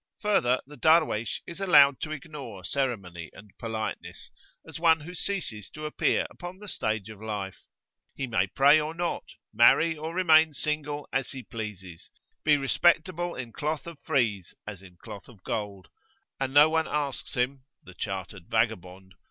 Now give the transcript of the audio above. Further, the Darwaysh is allowed to ignore ceremony and politeness, as one who ceases to appear upon the stage of life; he may pray or not, marry or remain single as he pleases, be respectable in cloth of frieze as in cloth of gold, and no one asks him the chartered vagabond [p.